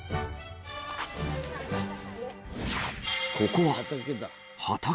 ここは畑？